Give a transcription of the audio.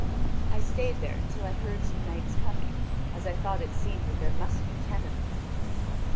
I stayed there until I heard some knights coming, as I thought it seemed that there must be ten of them.